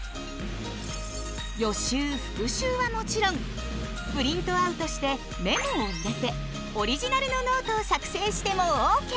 予習復習はもちろんプリントアウトしてメモを入れてオリジナルのノートを作成してもＯＫ！